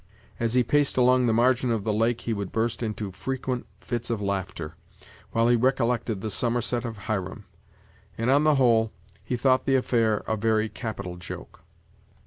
As he paced along the margin of the lake he would burst into frequent fits of laughter, while he recollected the summerset of Hiram: and, on the whole, he thought the affair a very capital joke.